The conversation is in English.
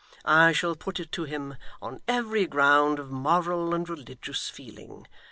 I shall put it to him on every ground of moral and religious feeling.